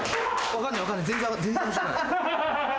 分かんない。